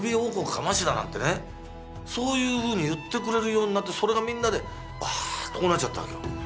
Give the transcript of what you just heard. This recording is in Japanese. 釜石だなんてねそういうふうに言ってくれるようになってそれがみんなでバーッとこうなっちゃったわけよ。